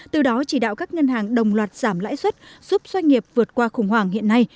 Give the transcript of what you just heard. từ đó chỉ đạo các ngân hàng đồng loạt giảm lãi suất giúp doanh nghiệp vượt qua khủng hoảng hiện nay